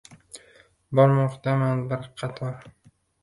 Bormoqdaman bir qator.